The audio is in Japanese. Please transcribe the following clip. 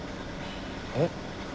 えっ？